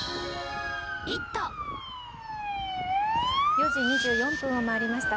４時２４分を回りました。